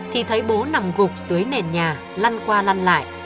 thì thấy bố nằm gục dưới nền nhà lăn qua lăn lại